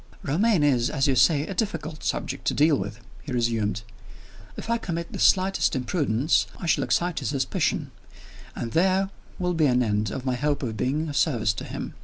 "Romayne is, as you say, a difficult subject to deal with," he resumed. "If I commit the slightest imprudence, I shall excite his suspicion and there will be an end of my hope of being of service to him.